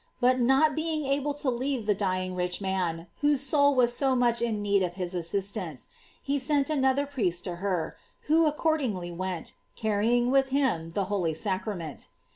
"Holy sacraments; not being able to leave the dy ing rich man, whose soul was so much in need of his assistance, he sent another priest to her, who accordingly went, carrying with him the holy sacrament.